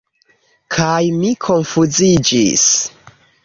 Kaj mi konfuziĝis.